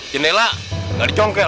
jendela gak dicongkel